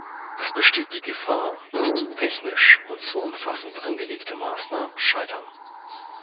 Es besteht die Gefahr, dass zu technisch und zu umfassend angelegte Maßnahmen scheitern.